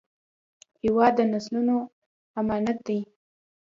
هېواد د نسلونو امانت دی.